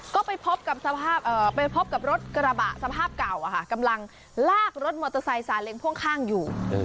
ก็ไปพบกับรถกระบะสภาพเก่าอ่ะค่ะกำลังลากรถมอเตอร์ไซส์สาเล็งพ่วงข้างอยู่